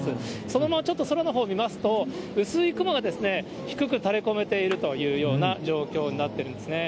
そのままちょっと空のほう見ますと、薄い雲が低く垂れこめているというような状況になっているんですね。